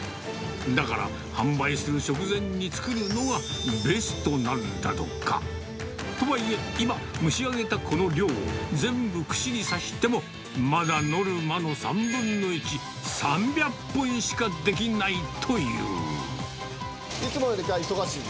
だから、販売する直前に作るのがベストなんだとか。とはいえ今、蒸し上げたこの量を全部串に刺しても、まだノルマの３分の１、いつもよりきょうは忙しい。